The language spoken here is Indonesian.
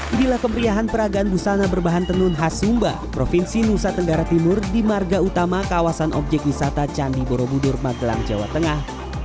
inilah kemeriahan peragaan busana berbahan tenun khas sumba provinsi nusa tenggara timur di marga utama kawasan objek wisata candi borobudur magelang jawa tengah